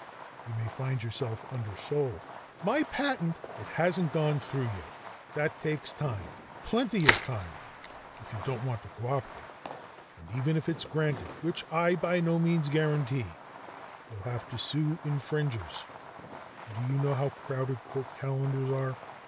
"You may find yourself undersold." "My patent " "It hasn't gone through yet. That takes time, plenty of time if you don't want to cooperate. And even if it is granted, which I by no means guarantee, you'll have to sue infringers; and do you know how crowded court calendars are?